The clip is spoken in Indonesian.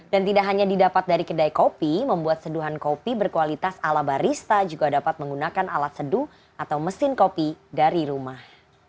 dan tidak hanya didapat dari kedai kopi membuat seduhan kopi berkualitas ala barista juga dapat menggunakan alat seduh atau mesin kopi dari rumah